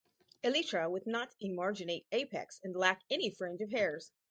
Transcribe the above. Elytra with not emarginate apex and lack any fringe of hairs.